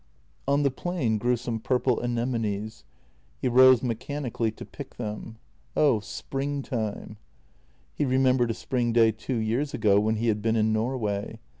JENNY 3 00 On the plain grew some purple anemones; he rose mechani cally to pick them. Oh, spring time! He remembered a spring day two years ago when he had been in Norway.